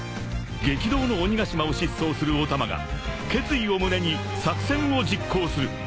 ［激動の鬼ヶ島を疾走するお玉が決意を胸に作戦を実行する］